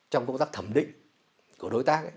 trong công tác thẩm định của đối tác